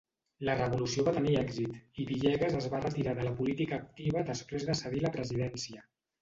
La revolució va tenir èxit i Villegas es va retirar de la política activa després de cedir la presidència.